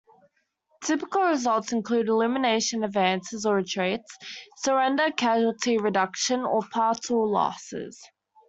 Typical results include elimination, advances or retreats, surrender, casualty reduction, or partial losses.